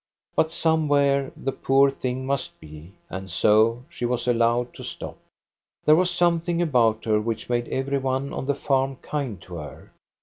But somewhere the poor thing must be. And so she was allowed to stop. There was something about her which made every one on the farm kind to her.